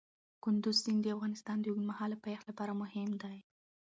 کندز سیند د افغانستان د اوږدمهاله پایښت لپاره مهم دی.